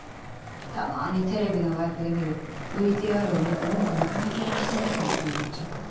たまにテレビのワイプで見るＶＴＲを見てうまく泣けないタレントさんみたいな顔になっちゃうから。